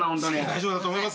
大丈夫だと思います。